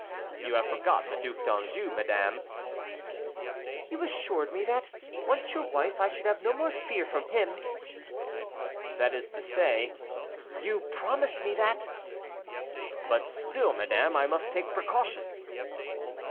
"You have forgotten the Duc d'Anjou, madame." "You assured me that, once your wife, I should have no more to fear from him." "That is to say " "You promised me that." "But still, madame, I must take precautions."